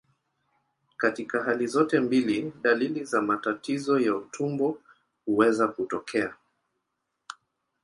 Katika hali zote mbili, dalili za matatizo ya utumbo huweza kutokea.